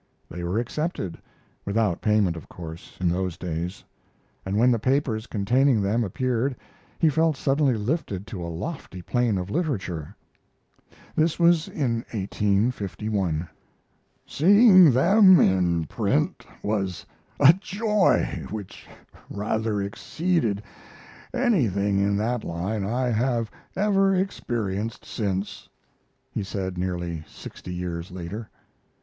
They were accepted without payment, of course, in those days; and when the papers containing them appeared he felt suddenly lifted to a lofty plane of literature. This was in 1851. "Seeing them in print was a joy which rather exceeded anything in that line I have ever experienced since," he said, nearly sixty years later.